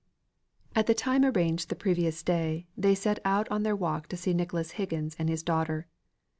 At the time arranged the previous day, they set out on their walk to see Nicholas Higgins and his daughter.